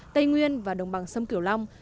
tây nguyên và đồng bằng sâm kiểu long